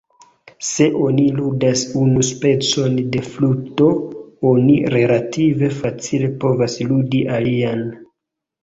Se oni ludas unu specon de fluto, oni relative facile povas ludi alian.